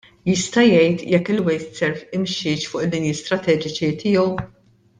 Jista' jgħid jekk il-Wasteserv imxietx fuq il-linji strateġiċi tiegħu?